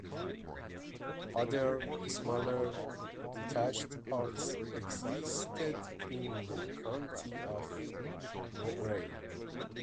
Other, smaller, detached parts existed in the county of Moray.